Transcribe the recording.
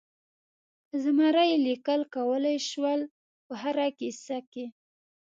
که زمری لیکل کولای شول په هره کیسه کې.